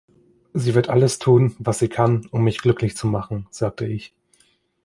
„Sie wird alles tun, was sie kann, um mich glücklich zu machen“, sagte ich.